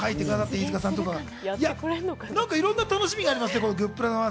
いろんな楽しみがありますね、グップラ。